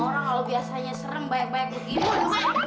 orang kalo biasanya serem banyak banyak begitu